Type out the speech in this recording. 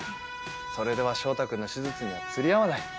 それでは翔太君の手術には釣り合わない。